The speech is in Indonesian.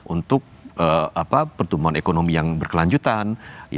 untuk pertumbuhan ekonomi yang berkelanjutan